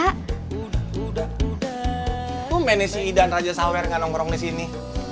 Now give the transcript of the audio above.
kok mainnya si idan raja sawer gak nongkrong disini